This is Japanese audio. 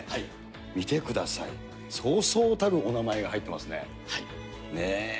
見てください、そうそうたるお名前が入ってますね。